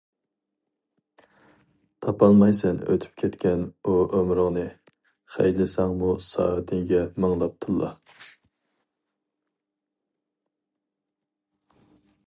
تاپالمايسەن ئۆتۈپ كەتكەن ئۇ ئۆمرۈڭنى، خەجلىسەڭمۇ سائىتىگە مىڭلاپ تىللا.